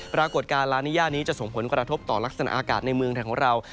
ปรากฏการณ์ลานิยานี้จะส่งผลกระทบต่อลักษณะอากาศในเมืองไทยของเรา